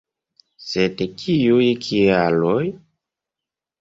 Sed kiuj kialoj?